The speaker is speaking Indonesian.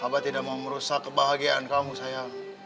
abah tidak mau merusak kebahagiaan kamu sayang